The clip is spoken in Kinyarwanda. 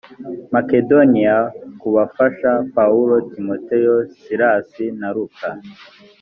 makedoniya kubafasha pawulo timoteyo silasi na luka